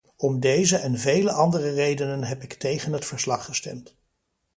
Om deze en vele andere redenen heb ik tegen het verslag gestemd.